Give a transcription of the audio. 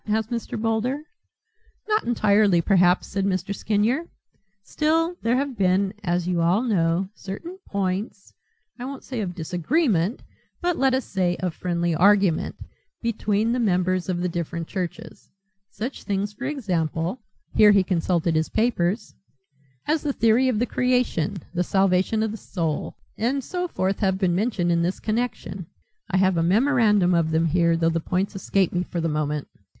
asked Mr. Boulder. "Not entirely, perhaps," said Mr. Skinyer. "Still there have been, as you all know, certain points I won't say of disagreement but let us say of friendly argument between the members of the different churches such things for example," here he consulted his papers, "as the theory of the creation, the salvation of the soul, and so forth, have been mentioned in this connection. I have a memorandum of them here, though the points escape me for the moment.